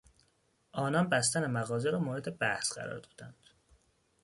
آنان بستن مغازه را مورد بحث قرار دادند.